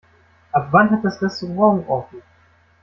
Ab wann hat das Restaurant offen?